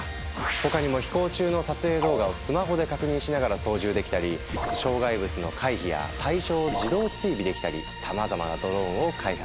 他にも飛行中の撮影動画をスマホで確認しながら操縦できたり障害物の回避や対象を自動追尾できたりさまざまなドローンを開発。